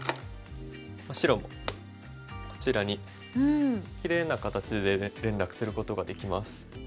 白もこちらにきれいな形で連絡することができます。